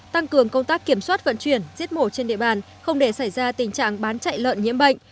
tăng cường công tác kiểm soát vận chuyển giết mổ trên địa bàn không để xảy ra tình trạng bán chạy lợn nhiễm bệnh